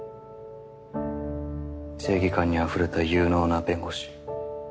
正義感にあふれた有能な弁護士。